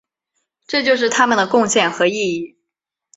这就是他们的贡献和意义。